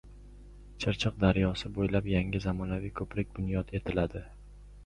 Chirchiq daryosi bo‘ylab yangi zamonaviy ko‘prik bunyod etiladi